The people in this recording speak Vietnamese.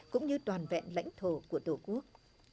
cũng như toàn vẹn lãnh thổ của tổ quốc